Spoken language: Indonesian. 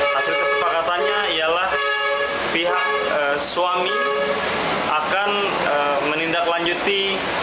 hasil kesepakatannya ialah pihak suami akan menindaklanjuti